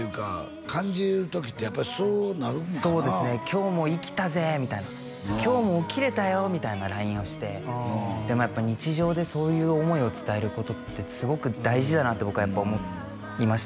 「今日も生きたぜ」みたいな「今日も起きれたよ」みたいなＬＩＮＥをしてでもやっぱ日常でそういう思いを伝えることってすごく大事だなって僕はやっぱ思いましたね